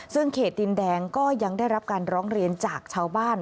ซึ่งเขตดินแดงก็ยังได้รับการร้องเรียนจากชาวบ้าน